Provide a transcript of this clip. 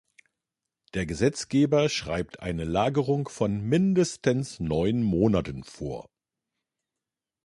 Der Gesetzgeber schreibt eine Lagerung von mindestens neun Monaten vor.